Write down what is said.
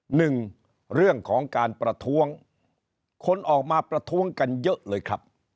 หนึ่งเรื่องของการประท้วงคนออกมาประท้วงกันเยอะเลยครับ